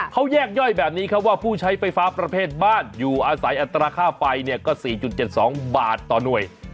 เขาแยกย่อยแบบนี้ครับว่าผู้ใช้ไฟฟ้าประเภทบ้านอยู่อาศัยอัตราค่าไฟเนี่ยก็๔๗๒บาทต่อหน่วย